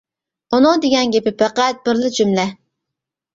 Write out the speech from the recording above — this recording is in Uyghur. ئۇنىڭ دېگەن گېپى پەقەت بىرلا جۈملە.